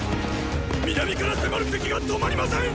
南から迫る敵が止まりませんっ！